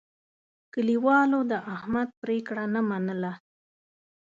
کلیوالو د احمد پرېکړه نه منله.